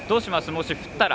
もし降ったら。